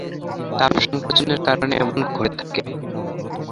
তাপ সংকোচনের কারণে এমন ঘটে থাকে।